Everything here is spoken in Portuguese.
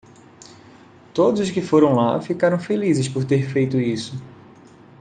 Todos os que foram lá ficaram felizes por ter feito isso.